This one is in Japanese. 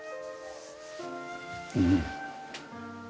うん。